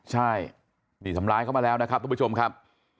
ใช่นี่ทำร้ายเขามาแล้วนะครับทุกผู้ชมครับ